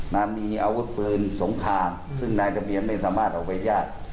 นะมีอาวุธปืนสงครามซึ่งนายทะเบียนไม่สามารถออกไปยาก